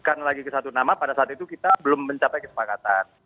karena lagi ke satu nama pada saat itu kita belum mencapai kesepakatan